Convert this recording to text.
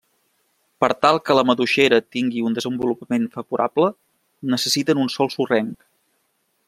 Per tal que la maduixera tingui un desenvolupament favorable, necessiten un sòl sorrenc.